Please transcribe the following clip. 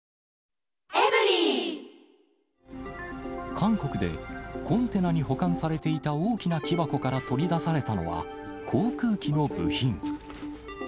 韓国で、コンテナに保管されていた大きな木箱から取り出されたのは、航空機の部品。